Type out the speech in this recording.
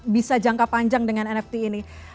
bisa jangka panjang dengan nft ini